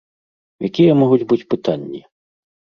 Якія могуць быць пытанні?